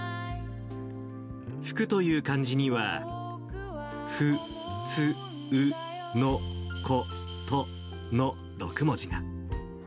福という漢字には、ふ、つ、う、の、こ、との６文字が。